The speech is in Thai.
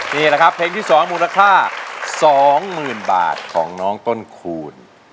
นี่แหละครับเพลงที่๒มูลค่า๒๐๐๐บาทของน้องต้นคูณ